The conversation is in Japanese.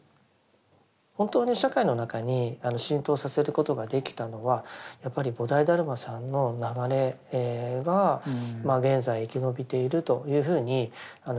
本当に社会の中に浸透させることができたのはやっぱり菩提達磨さんの流れが現在生き延びているというふうにいうことができると思います。